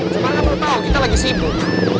cuman kan lo tau kita lagi sibuk